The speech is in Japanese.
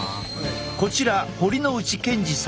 こちら堀之内健二さん。